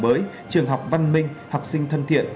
mới trường học văn minh học sinh thân thiện